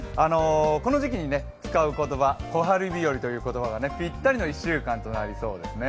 この時期に使う言葉、小春日和という言葉がぴったりの１週間となりそうですよね。